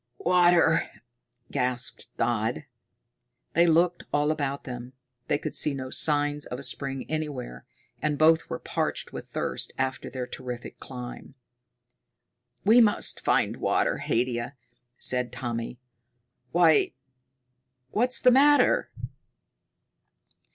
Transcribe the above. "Water!" gasped Dodd. They looked all about them. They could see no signs of a spring anywhere, and both were parched with thirst after their terrific climb. "We must find water, Haidia," said Tommy. "Why, what's the matter?"